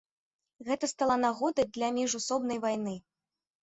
Гэта стала нагодай для міжусобнай вайны.